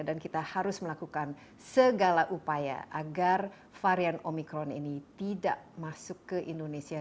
dan kita harus melakukan segala upaya agar varian omicron ini tidak masuk ke indonesia